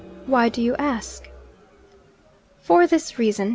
Why do you ask?' 'For this reason.